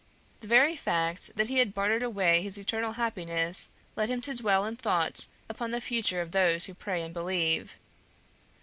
The very fact that he had bartered away his eternal happiness led him to dwell in thought upon the future of those who pray and believe.